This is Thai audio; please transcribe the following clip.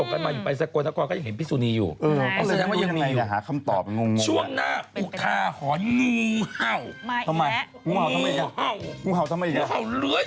กลับมาข่าวใส่ไข่ค่ะคุณโชว์รูปอะไรคะ